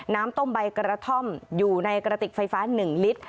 น้ำต้มใบกระท่อมอยู่ในกระติกไฟฟ้า๑ลิตร